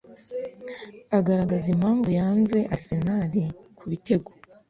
agaragaza impamvu yanze Arsenal kubitego